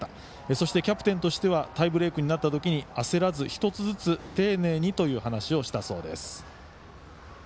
そしてキャプテンとしてはタイブレークになった時に焦らずに１つずつ丁寧にという話をしたそうです。